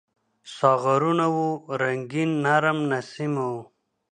ساغرونه وو رنګین ، نرم نسیم و